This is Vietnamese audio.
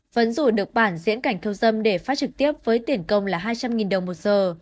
vẫn rủ được bản diễn cảnh thu dâm để phát trực tiếp với tiền công là hai trăm linh đồng một giờ